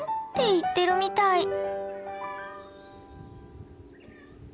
って言ってるみたい。